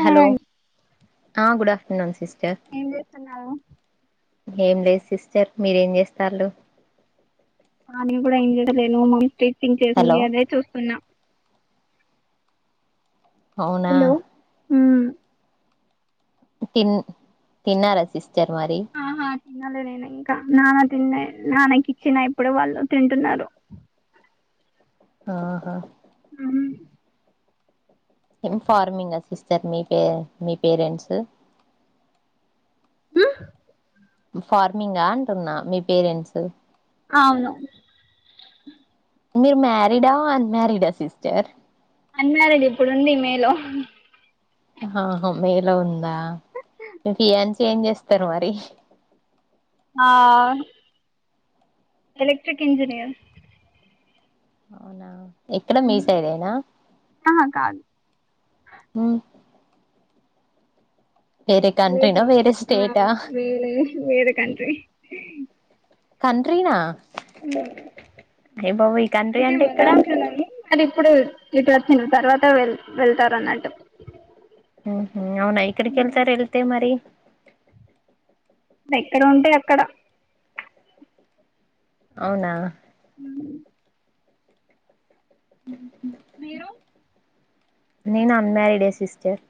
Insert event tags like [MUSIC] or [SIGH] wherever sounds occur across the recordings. Hello good afternoon sis ఏం చేస్తున్నావు ఏం లేదు సిస్టర్ మీరేం చేస్తానరు ఆ నవ కూడాడా ఇగ్దలేే మ ంగ్ హలో చేసింది అదే చూస్తున్నాం అవునా అ తిన్ తన్నారసిస్ చ్చారు మరి తినలే నేను ఇంకా నాన్న తిన్నా నాన్నకి ఇచ్చిన ఇప్పుడు వాళ్ళు తింటున్నారు ఆహా ఆ ఏం ఫార్మింగ్ అ సిస్టర్ మీ పే మీ పేరెంట్స్ ఆ ఫార్మింగ్ అంటున్నా మీ పేరెంట్స్ అవును మీరు మ్యారీడా అన్మ్యారిడా సిస్టర్ అన్నారండి ఇప్పుడుంది మేలో ఆహ మేలో ఉందా మీ ఫియాన్సీ ఏం చేస్తారు మరి ఆ ఎలెక్ట్రిక్ ఇంజనీయర్ అవునా ఇక్కడ ఉమ్, మీసయిడేనా ఆహా కాదు లేదు కంట్రీనా వేరే మ స్టేటా వేర వేరే కంట్ర్రి కంట్రీనా ఏ బాబ ఈ తండ్రి అంటే ఎక్కడ ఇప్పుడు ఇటు వచ్చిన తర్వాత వె వెళ్తారు అన్నట్టు ఉ అవునా ఇక్కడకిళ్తారు వెళ్తేవ మరి ఓే ఎక్కడ ఉంటే అక్కడ అవునా ఉ మీరు నేను అన్మారిడ్ అ సిస్టర్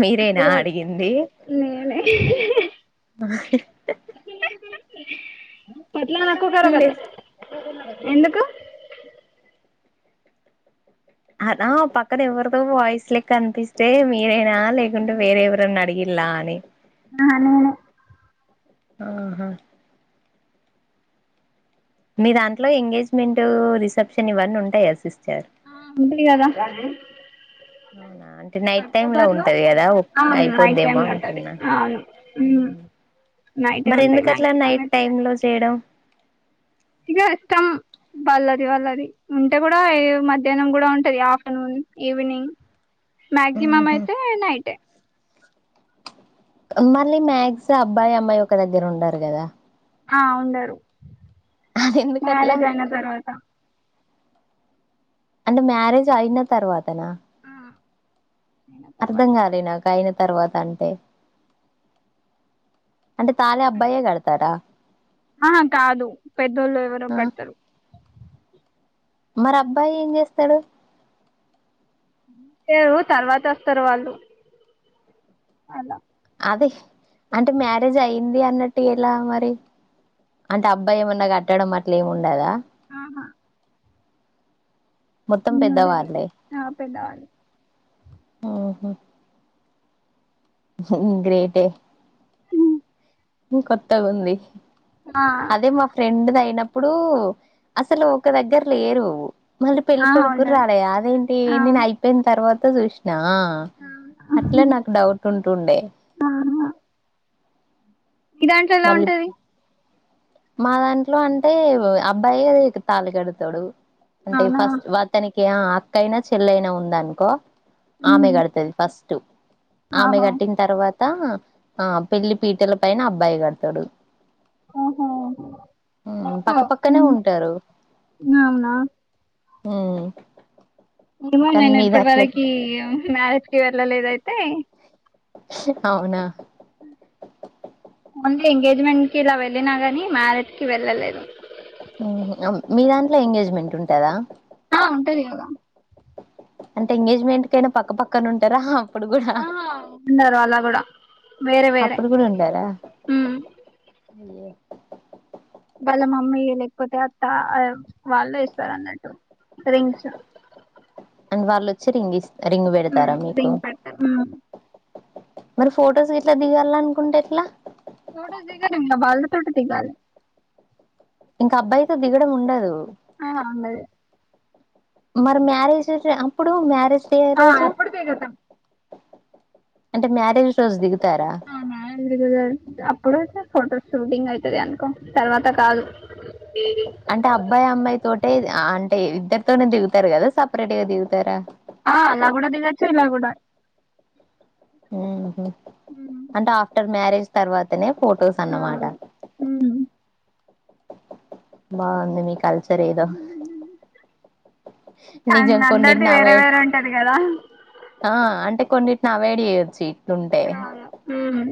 మీరేనా తెల్వదు అడిగింది నేనే ఆ పట్లా నకు కరోగతే ఎందుకు అద పక్కనా ఎవరిదో వయిస లెక్క అనిపిస్ అే మీరేనా లేకుంటే వేరేవరైనా అడిగి ఇలాని ఆహా నేనే ఆహా మీ దాంట్లో ఎంగేజ్మెంట్ రిసెప్షన్ ఇవన్నీ ఉంటాయా సిస్ ఆ ముందులిగాదా కానీ అవునా అంటే నైట్ టైమ్ లో ఉంటే కదా ఆ నైట్ అయిపోద్దేమో టైమ్ లో ఉంటది అనుకున్నా అవును ఉమ్ నైటే మరి ఉంటాయి ఎందుకుట్లా మాక్సిమం నైట్ టై లో చేయడం ఇక ఇష్టం వాళ్ళది వాళ్ళది ఉంటే కూడా మధ్యాహ్నం కూడా ఉంటది ఆఫ్టర్నూన్ ఈవినింగ్ మ్యాగ్జీ మమ్ ఉహు అయితే నైట్ే మళ్ళీ మ్యాగ్స్ అబ్బాయి అమ్మాయి ఒక దగ్గర ఉండారు కదా ఆ ఉండరు అది ఎందుకు అట్లా మ్యారేజ్ ఆయన తరువాత అంటే మ్యారేజ్ అయిన తర్వాత నా ఆ అయిన అర్థం తర్వాత కాలే నాకు తర్వాత అంటే అంటే తాాలి అబ్బాయే కడతారా ఆహా కాదు పెద్దోళ్ళు ఎవరు కడతారు మరి అబ్బాయి ఏం చేస్తాడు తర్వాత వస్తారు వాళ్ళు అలా అది అంటే మ్యారేజ్ అయ్యిది అన్నట్టు ఎలా మరి అంటే అబ్బాయి ఏమన్నా కట్టడం అట్లా ఏమి ఉండదా ఆహా మొత్తం నేను ఉండది పెద్దవాళ్ళే ఆ పెద్దవాళ్ళు ఆఓహో గ్రేటే కొత్తగా ఉంది ఆ అదే మా ఫ్రెండ్ది అయిన ఇప్పుడు అసలు ఒక దగ్గర లేరు మళ్ళీ పెళ్ళ ఆహా కొడుకు కూడా ఉండరు రాలే అదేంటి ఆ నేను అయిపోయిన తర్వాత చూసి నా ఆహా అట్లా నాకు డౌట్ ఉంటుండే మీ దాంట్లో ఎలా మళ్ళీ ఉంటది మా దాంట్లో అంటే అబ్బాయి ఏ తాళి కడుతాడు అంటే అవునా ఫస్ట్ వతనికి ఆ ఎక్కైనా చెల్లైనా ఉందనుకో ఆమె గడతది ఫస్ట్ టు ఆమె ఆహో గట్టిన్ తర్వాత త ఆ పెళ్లి పీటల పైన అబ్బాయి కడతడు ఆ పక్కపక్కనే ఉంటరు అవునా హుం ఏమో నేను ఇప్పటి వరకి మ్యారేజ్ కి వెళ్ళలేదు అయితే అవునా ఓన్లీ ఎంగేజ్మెంట్ కి ఇలా వెళ్ళినా గాని మ్యారేజ్ కి వెళ్ళలేదు మీ దాంట్లో ఎంగేజ్మెంట్ ఉంటదా ఆ ఉంటంది అద అంటే ఎంగేజ్మెంట్ కైనా పక్క పక్కన ఉంటరా హ ఆ ఉండరు అలా గూడా వేరే వేరే అప్పుడు ఏయ వాళ్ళ మమ్మీ లేకపోతే అత్త వాళ్ళు ఇస్తారు అన్నట్టు రింగ్స్ అం వాళ్ళ వచ్చి రింగిస్ రింగు ఉమ్ పెడతారా మీకు రింగ్ పెడతారు ఉమ్ మరి ఫొటోస్ గిట్లా దిగాలనుకుంటె ఎట్ల ఫొటోస్ దిగలేం ఇగ వాళ్ళతోటే దిగాలి ఇంక అబ్బాయితో దిగడం ఉండదు ఉండది మరి మ్యారేజ్ అప్పుడు మ్యారేజ్ డే ఆ రోజు అప్పుడు దిగుతం అంటే మ్యారేజ్ రోజు దిగు అవునా [UNINTELLIGIBLE] అప్పుడట ఫొటోస్ షూటింగ్ అయితది అనుకో తర్వాత కాదు అంటే అబ్బాయి అమ్మాయి తోటే అంటే ఇద్దరు తొనె దిగుతరు గదా సపరేట్ గా దిగుతరా ఆ అలా గూడ దిగచ్చు ఇలా గూడ ఉంహ్ అంటె ఆఫ్టర్ మ్యారేజ్ తర్వాతనె ఫోటోస్ ఆ అన్నమాట ఉమ్ బాఉంది మీ కల్చర్ ఏదో ఆ నిజం అందరిది కొన్నిటిని వేరే అవాయిడ్ వేరే ఉంటది కదా ఆ అంటే కొన్నిటిని అవయిడ్ చెయ్ వచ్చి అవును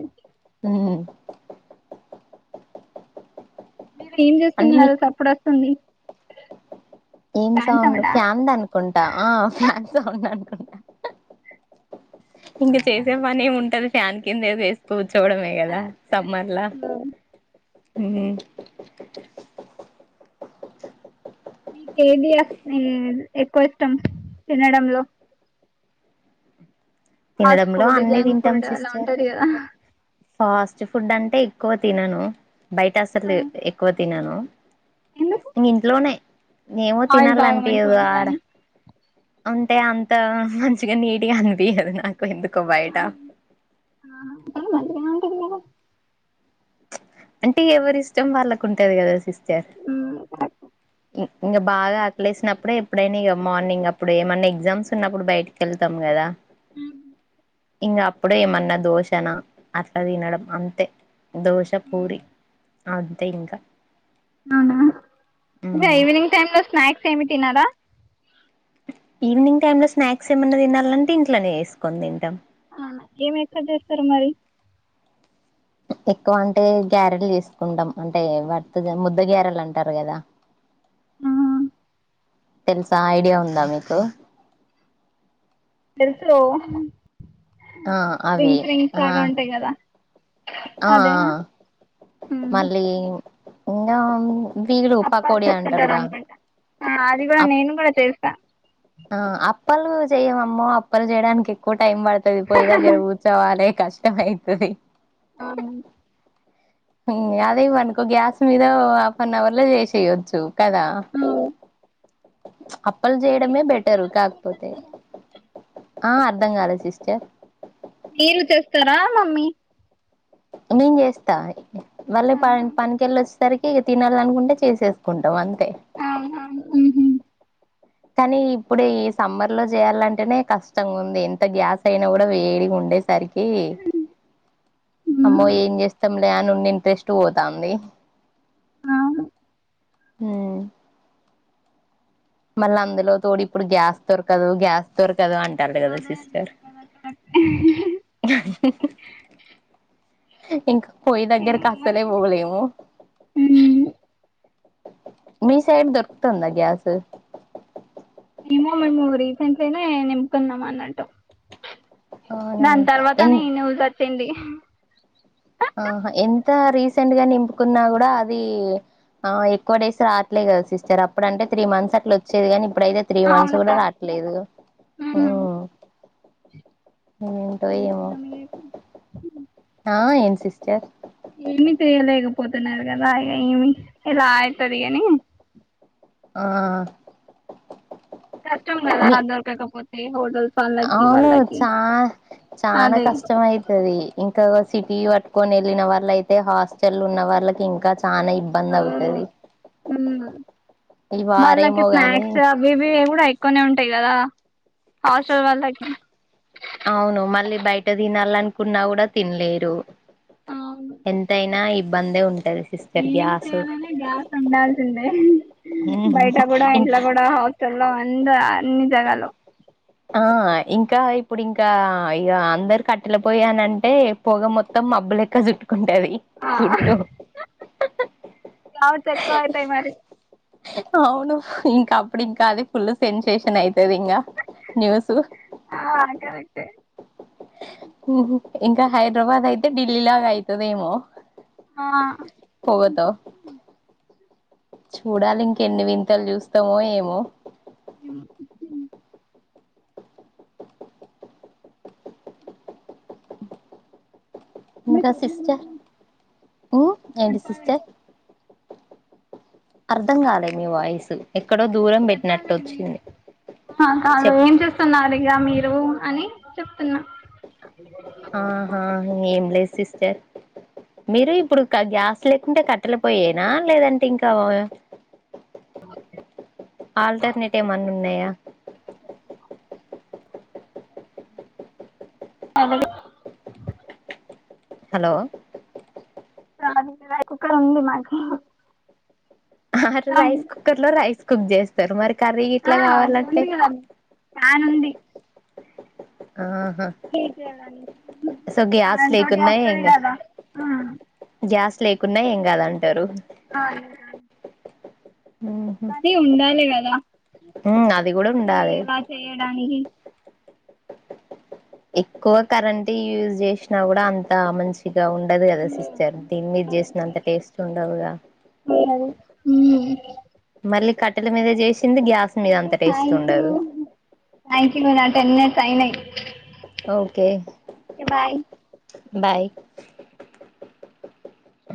ఉమ్ మీరు ఏం అంటే చేస్తున్నారు మీకు చప్పుడు వస్తుంది ఏం ఫ్యాన్ సౌండ్ సౌండా ఫ్యాన్ ది అనుకుంటా ఆ ఫ్యాన్ సౌండ్ అనుకున్న ఇంక చేసే పని ఏమి ఉంటది ఫ్యాన్ కింద చేసుకోవచ్చు చూడమే కదా సమ్మర్లా కరెక్ట్ హ్మ్మ్ నీకు ఏది హ్మ్మ్ ఎక్కువ ఇష్టం తినడంలో ఫాస్ట్ తినడంలో ఫుడ్ అన్ని జంక్ తింటాం ఫుడ్ అలా సిస్టర్ ఉంటది కదా ఫాస్ట్ ఫుడ్ అంటే ఎక్కువ తినను బయట ఆ, అసలు ఎక్కువ తినను ఎందుకు ఇంట్లోనే ఏమో ఆయిల్ బాగా మంచిగా తినాలనిపియ్యదు ఆడ ఉండదని అంటే అంత మంచిగా నీటిగా అనిపియ్యదు నాకు ఎందుకో ఆ, బయటా ఆ, కానీ మంచిగానే ఉంటది కదా అంటే ఎవరి ఇష్టం వాళ్ళకు ఉంటేది కదా సిస్ చేస్ ఉమ్, ఇంకా బాగా ఆకలేసినప్పుడే ఎప్పుడైనా ఇక మార్నింగ్ అప్పుడు ఏమన్నా ఎగ్జామ్స్ ఉన్నప్పుడు బయటికి వెళ్తాం కదా. హ్మ్మ్ ఇంకా అప్పుడే ఏమన్నా దోషనా అట్లా తినడం అంతే దోశ పూరి అంతే ఇంకా అవునా ఇంగ ఈవినింగ్ టైమ్ లో స్నాక్స్ సేమిటి తినరా ఈవినింగ్ టైమ్ లో స్నాక్స్ ఏమైన్నా తినాలంటే ఇంట్లోనే చేసుకోన్ని తింటాం ఆ ఎం ఎక్కువ చేస్తరు మరి ఎక్కువ అంటే గ్యారెలు చేసుకుంటాం అంటే వాటిని ముద్ద గ్యారెలు అంటారు గదా. ఆ తెలుసా ఐడియా ఉందా మీకు తెలుసు ఆ అవి రింగ్స్ రింగ్స్ ఆ లాగా ఉంటాయి కదా ఆ అదేనా ఉమ్, మళ్ళీ ఇంకా వీళ్ళు అప్పాలు పకోడి చేసుకుంటారు అంటారుగా అనుకుంటా అది కూడా అప్ నేను కూడా చేస్తా కా ఆ అప్పలు చెయవమా అప్పలు చేయడానికి ఎక్కువ టైం పడతది పోయి దగ్గర కూర్చోవాలే కష్టం అయితది ఆవును అదే ఇవ్వనుకో గ్యాస్ మీద హాఫ్ అన్ అవర్ లో చేసేయవచ్చు కదా అప్పలు చేయడమే మీరు బెటరు చేస్తారా మమ్మీ కాకపోతే చేస్తారా ఆ అర్ధం కాలే సిస్టర్ మీరు చేస్తారా మమ్మీ నేను చేస్తా వాళ్లు అవునా పని కి వెళ్లొచ్చే సారికి తినాలనుకుంటే చేసేసుకుంటాం అం అహ ఉహుమ్ కానీ ఇప్పుడు ఈ సమ్మర్ లో చేయాలంటేనే కష్టంగా ఉంది ఎంత గ్యాస్ అయినా కూడా వేడిగా ఉండేసరికి అమ్మో ఉమ్ ఏం చేస్తాం దాన్నిలో ఉన్న ఇంట్రెస్ట్ పోతంది అవును హుమ్ మళ్ళా అందులో తోడు ఇప్పుడు గ్యాస్ దొరకదు గ్యాస్ దొరక అదేంటి అక్క స్కిప్పింగ్ పోయి దగ్గర కస్తలే పొదేమో ఉమ్ మీసైడ్ దొరుకుతుందా గ్యాస్ ఏమో మేము రీసెంట్ లీనే నింపుకున్నాం అన్నట్టు అవునా దాని తర్వాత ఎన్ నేను తిండి ఆహా ఎంత రీసెంట్ గా నింపుకున్నా కూడా అది ఆ ఎక్కువ డేస్ రావట్లేదు కదా సిస్టర్ అప్పుడు అంటే త్రీ మంత్స్ అట్లా వచ్చేది గాని ఇప్పుడయితే త్రీ మంత్స్ అవును కూడా కా రాట్లేదు ఉమ్ ఏంటో ఏం ఏమో చేద్దాం ఇగ ఆ ఏం సిస్ చె ఏమి చేయలేకపోతున్నారు కదా ఇగ ఏమి ఇలా అవుతది అని ఆ కష్టం కదా మీ దొరకకపోతే హోటల్ అవును చా చానా అదే కష్టం అవుతుది ఇంకా సిటీ పట్టుకొని వెళ్ళిన వాళ్ళ అయితే హాస్టల్ ఉన్న వాళ్ళకి ఇంకా చానా ఇబ్బంది అవును అవుతది ఆ ఈ వాళ్ళకి వారేమో గాని స్నాక్స్ అవి ఇవి కూడా ఎక్కువనే ఉంటాయి కదా హాస్టల్ వాళ్ళకి అవును మళ్ళీ బయట తినాల అనుకున్నా కూడా తినలేరు అవును ఎంతయినా ఇ బందే ఉ ఏం చేయాలనే గ్యాస్ ఉండాల్సిందే బయట కూడా ఇంకా ఇంట్లో కూడా హాస్టల్ లో అంద అన్ని జగాలో ఆ ఇంకా ఇప్పుడు ఇంకా ఇక అందరు కట్టెల పోయానంటే పొగ మొత్తం మబ్బులెక్క చుట్టు ఆ చవ చెకువ యితాయి మరి [UNINTELLIGIBLE] అవును ఇంకా అప్పుడు ఇంకా అది ఫుల్ సెన్సేషన్ అవుతుది ఇంకా న్యూస్ ఆ కరెక్టే ఇంకా హైదరాబాద్ అయితే ఢిల్లీ లాగా అవుతుదేమో ఆ పోగతో చూడాలి ఇంక ఎన్ని వింతలు చూస్తామో ఏమో ఇంకా సిస్టర్ హ్మ్ ఏంటి చెప్పాలి సిస్టర్ అర్థం కాలే మీ వాయిసు చెప్పాలి మీ కాదు చెప్ ఏం చేస్తున్నారు ఇక మీరు అని చెప్తున్నా ఆహా ఏంలే సిస్టర్ మీరు ఇప్పుడు గ్యాస్ లేకుంటే కట్టల పోయేనా లేదంటే ఇంకా అహ ఆల్టర్నేట్ ఏమన్నా ఉన్నాయా అద హలో చకుక్క ఉంది మా అరే రైస్ కుకర్ లో రైస్ కుక్ చేస్తారు మరి కర్రీ ఆ ఇట్లా అది కావాలంటే ఉంది ప్యాన్ ఉంది ఆహా సో గ్యాస్ లేకున్నా ఏం కాదు గ్యాస్ [UNINTELLIGIBLE] లేకున్నా ఏం కాదంటారు అహ ఉమ్, అది ఉండాల కదు అది కూడా ఇ ఉండాలి ఎలా చేయడానికినికి ఎక్కువ కరెంట్ యూజ్ చేసినా కూడా అంతా మంచి ఉండదు కదా సిస్టర్ దీని మీద చేసిన అంత టేస్ట్ ఉండదుగా మళ్ళీ కట్టెల మీద చేసింది గ్యాస్ మీద ఓకే అంత టేస్ట్ థ్యాంక్ యూ ఉండదు థ్యాంక్ యూ నా టెన్ మినిట్స్ అయినాయి ఓకే ఓకే బాయ్ బాయ్